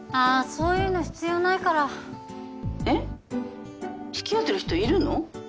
そういうの必要ないから☎えっ付き合ってる人いるの？